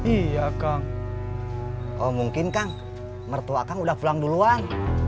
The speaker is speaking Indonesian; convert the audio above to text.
iya kang mungkin kang mertua kang udah pulang duluan